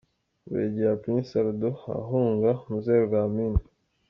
Buregeya Prince Aldo ahunga Muzerwa Amin .